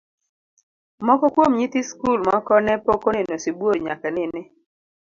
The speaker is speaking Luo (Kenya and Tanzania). Moko kuom nyithi skul moko ne pok oneno sibuor nyaka nene.